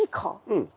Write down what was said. うん。